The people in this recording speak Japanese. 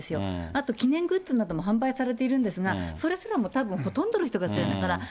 あと、記念グッズなども販売されているんですが、それすらもたぶん、ほとんどの人が知らない。